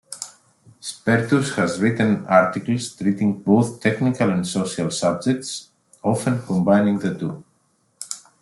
Spertus has written articles treating both technical and social subjects, often combining the two.